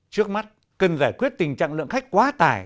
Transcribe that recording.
trước mắt cần giải quyết tình trạng lượng khách quá tải